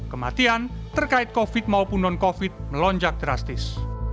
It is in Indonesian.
kematian terkait covid maupun non covid melonjak drastis